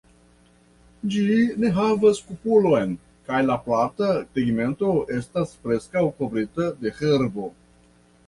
Ĝi ne havas kupolon, kaj la plata tegmento estas preskaŭ kovrita de herbo.